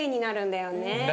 だよね。